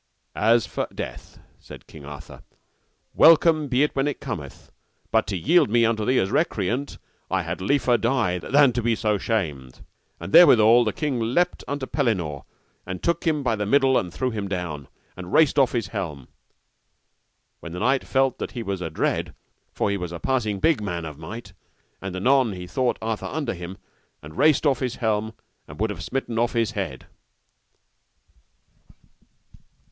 As for death, said King Arthur, welcome be it when it cometh, but to yield me unto thee as recreant I had liefer die than to be so shamed. And therewithal the king leapt unto Pellinore, and took him by the middle and threw him down, and raced off his helm. When the knight felt that he was adread, for he was a passing big man of might, and anon he brought Arthur under him, and raced off his helm and would have smitten off his head.